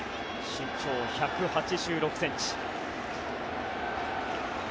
身長１８６ｃｍ。